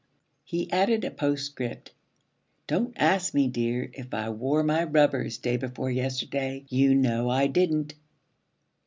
He added a postscript: 'Don't ask me, dear, if I wore my rubbers day before yesterday. You know I didn't.'